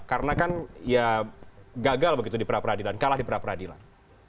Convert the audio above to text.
karena kan ya gagal begitu di peradilan kalah di peradilan